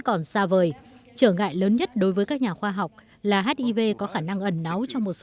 còn xa vời trở ngại lớn nhất đối với các nhà khoa học là hiv có khả năng ẩn náu cho một số tế bào